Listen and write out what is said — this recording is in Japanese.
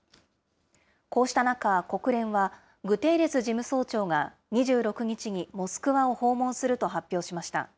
こうした中、国連はグテーレス事務総長が２６日にモスクワを訪問すると発表しました。